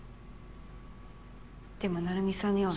でも成海さんには。